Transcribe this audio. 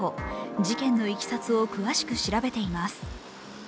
事件のいきさつを詳しく調べています。